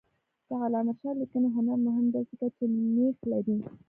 د علامه رشاد لیکنی هنر مهم دی ځکه چې نیښ لري.